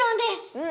うん。